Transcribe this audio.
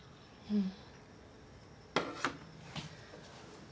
うん。